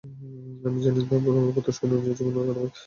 আমি জানি, ও তোমার প্রত্যাশা অনুযায়ী জীবন কাটাবে।